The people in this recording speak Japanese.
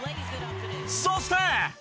そして。